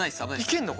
いけんの？